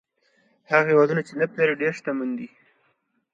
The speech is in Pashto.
هغه هېوادونه چې نفت لري ډېر شتمن دي.